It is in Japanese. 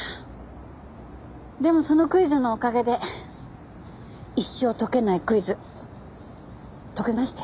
でもそのクイズのおかげで一生解けないクイズ解けましたよ。